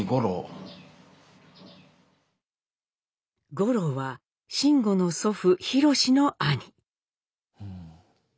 五郎は辰吾の祖父・博の兄。